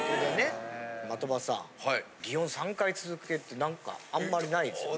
的場さん擬音３回続けるって何かあんまりないですよね？